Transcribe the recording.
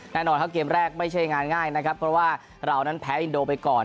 แน่นอนครับเกมแรกไม่ใช่งานง่ายนะครับเพราะว่าเรานั้นแพ้อินโดไปก่อน